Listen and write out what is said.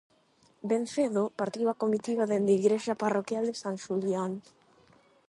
Ben cedo partiu a comitiva dende igrexa parroquial de San Xulián.